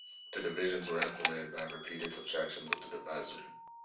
The divisions were implemented by repeated subtractions of the divisor.